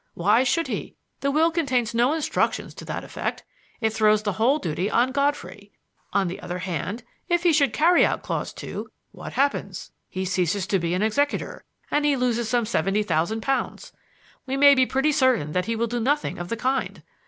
Why should he? The will contains no instructions to that effect. It throws the whole duty on Godfrey. On the other hand, if he should carry out clause two, what happens? He ceases to be an executor and he loses some seventy thousand pounds. We may be pretty certain that he will do nothing of the kind.